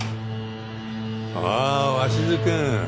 あぁ鷲津君。